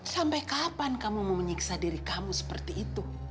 sampai kapan kamu mau menyiksa diri kamu seperti itu